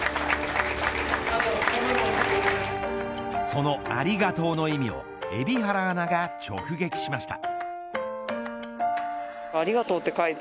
そのありがとうの意味を海老原アナが直撃しました。